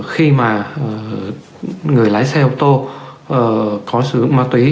khi mà người lái xe ô tô có sử dụng ma túy